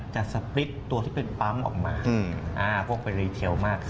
จะสปริตตัวที่เป็นปั๊มออกมาพวกไปรีเทลมาก